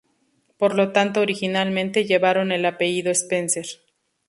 Por lo tanto originalmente llevaron el apellido Spencer.